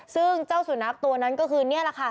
ซึ่งเจ้าสุนัขตัวนั้นก็คือนี่แหละค่ะ